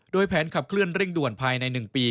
โดยแผนขับเคลื่อนเร่งด่วนภายใน๑ปี